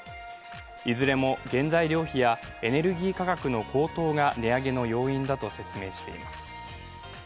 いずれも原材料費やエネルギー価格の高騰が値上げの要因だと説明しています。